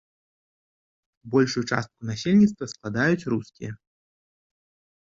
Большую частку насельніцтва складаюць рускія.